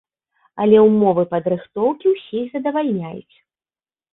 Але ўмовы падрыхтоўкі ўсіх задавальняюць.